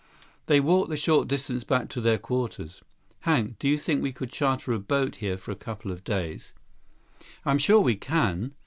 They walked the short distance back to their quarters. "Hank, do you think we could charter a boat here for a couple of days?" "I'm sure we can.